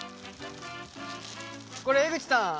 これ江口さん